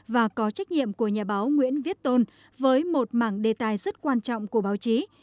và có trách nhiệm của nhà báo nguyễn viết tôn với một mảng đề tài rất quan trọng của báo chí